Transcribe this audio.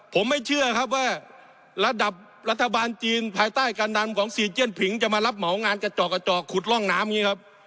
ผมไม่เชื่อครับว่าระดับรัฐบาลจีนภายใต้การนำของซีเจียนผิงจะมารับเหมางานกระจอกกระจอกขุดร่องน้ำอย่างนี้ครับ